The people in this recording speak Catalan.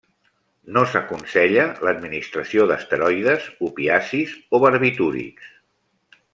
No s'aconsella l'administració d'esteroides, opiacis o barbitúrics.